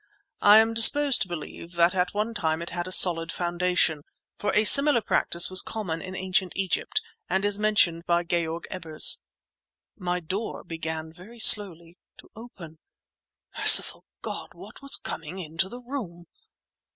I am disposed to believe that at one time it had a solid foundation, for a similar practice was common in Ancient Egypt and is mentioned by Georg Ebers." My door began very slowly to open! Merciful God! What was coming into the room!